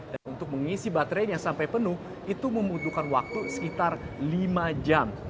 dan untuk mengisi baterainya sampai penuh itu membutuhkan waktu sekitar lima jam